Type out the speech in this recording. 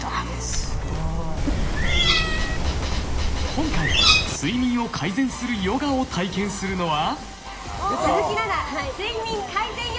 今回睡眠を改善するヨガを体験するのは。